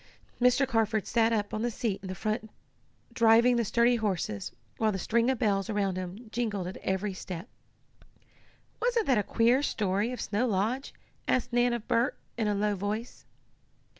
Mr. Carford sat up on the seat in front driving the sturdy horses, while the string of bells around them jingled at every step. "Wasn't that a queer story of Snow Lodge?" asked Nan of Bert, in a low voice.